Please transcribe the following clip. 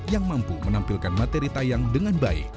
yang mampu menampilkan materi tayang dengan baik